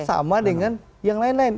sama dengan yang lain lain